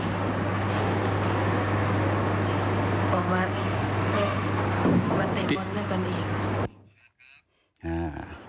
ออกมาเตะบอลด้วยกันอีก